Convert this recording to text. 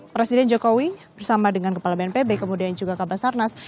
presiden jokowi bersama dengan kepala bnpb kemudian juga kabasarnas